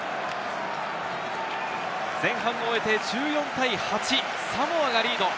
前半を終えて１４対８、サモアがリード。